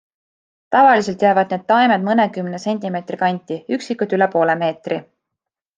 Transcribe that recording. Tavaliselt jäävad need taimed mõnekümne sentimeetri kanti, üksikud üle poole meetri.